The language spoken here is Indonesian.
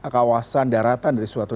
kawasan daratan dari suatu